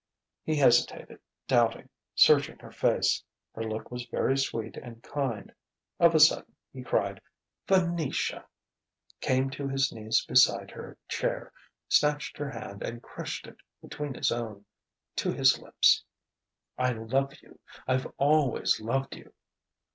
He hesitated, doubting, searching her face. Her look was very sweet and kind. Of a sudden he cried "Venetia!" came to his knees beside her chair, snatched her hand and crushed it between his own, to his lips. "I love you I've always loved you!..."